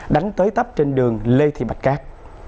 đánh tới tấp trên đường lê thị bạch cát